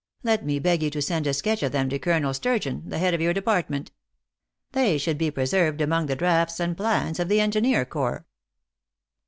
Let me beg you to send a sketch of them to Colonel Stur geon, the head of your department. They should be preserved among the draughts and plans of the engi neer corps."